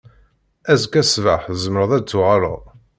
Azekka ṣṣbeḥ tzemreḍ ad d-tuɣaleḍ.